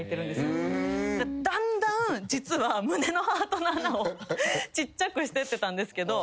だんだん実は胸のハートの穴をちっちゃくしてってたんですけど。